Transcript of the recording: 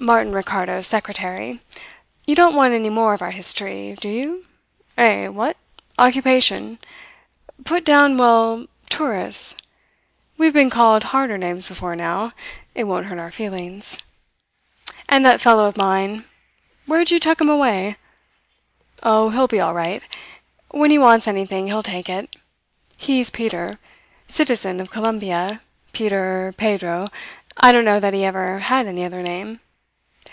"Martin Ricardo, secretary. You don't want any more of our history, do you? Eh, what? Occupation? Put down, well tourists. We've been called harder names before now; it won't hurt our feelings. And that fellow of mine where did you tuck him away? Oh, he will be all right. When he wants anything he'll take it. He's Peter. Citizen of Colombia. Peter, Pedro I don't know that he ever had any other name.